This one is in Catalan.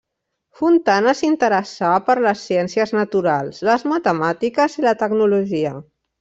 Fontana s’interessà per les ciències naturals, les matemàtiques, i la tecnologia.